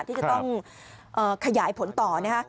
ที่จะต้องขยายผลต่อนะคะ